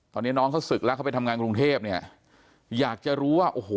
ตอนนี้น้องเขาศึกแล้วเขาไปทำงานกรุงเทพเนี่ยอยากจะรู้ว่าโอ้โห